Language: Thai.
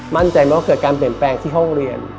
มั่นใจไหมว่าเกิดการเปลี่ยนแปลงที่ห้องเรียน